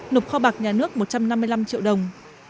nộp kho bạc nhà nước một trăm năm mươi năm triệu đồng